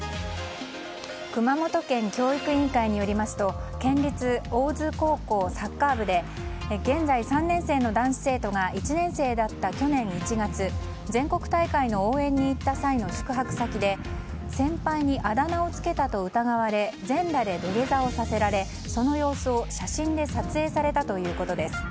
熊本県教育委員会によりますと県立大津高校サッカー部で現在、３年生の男子生徒が１年生だった去年１月全国大会の応援に行った際の宿泊先で先輩にあだ名をつけたと疑われ全裸で土下座をさせられその様子を写真で撮影されたということです。